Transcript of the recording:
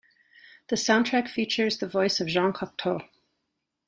The soundtrack features the voice of Jean Cocteau.